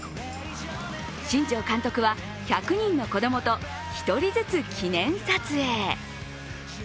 新庄監督は１００人の子供と１人ずつ記念撮影。